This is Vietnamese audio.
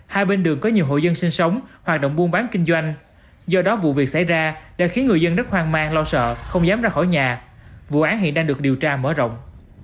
hai bên đường có nhiều hội dân sinh sống hoạt động buôn bán kinh doanh do đó vụ việc xảy ra đã khiến người dân rất hoang mang lo sợ không dám ra khỏi nhà vụ án hiện đang được điều tra mở rộng